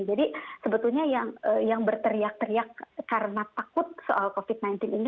jadi sebetulnya yang berteriak teriak karena takut soal covid sembilan belas ini